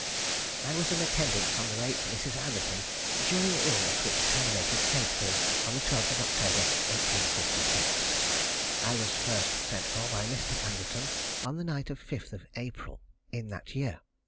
_ I was in attendance on the late Mrs. Anderton during the illness which terminated fatally on the 12th October, 1856. I was first sent for by Mr. Anderton, on the night of the 5th of April in that year.